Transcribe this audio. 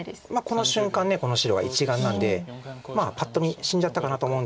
この瞬間この白は１眼なんでまあパッと見死んじゃったかなと思うんですが。